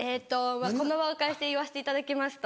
この場をお借りして言わせていただきますと。